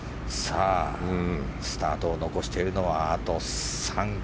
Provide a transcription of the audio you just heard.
スタートを残しているのはあと３組。